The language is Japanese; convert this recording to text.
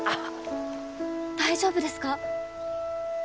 大丈夫ですか？